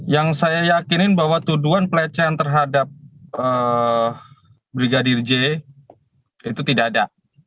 yang saya yakinin bahwa tuduhan pelecehan terhadap brigadir j itu tidak ada